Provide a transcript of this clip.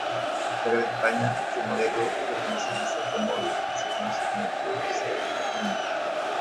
Fuera de España, este modelo lo comercializa T-Mobile y se conoce como Pulse Mini.